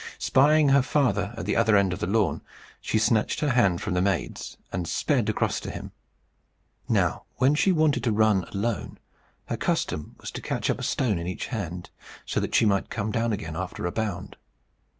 Spying her father at the other side of the lawn, she snatched her hand from the maid's, and sped across to him. Now when she wanted to run alone, her custom was to catch up a stone in each hand, so that she might come down again after a bound.